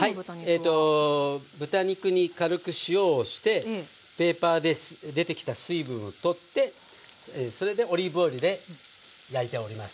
はい豚肉に軽く塩をしてペーパーで出てきた水分を取ってそれでオリーブオイルで焼いております。